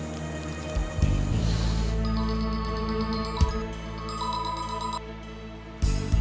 lihatlah ada anak black cobra yang berangkat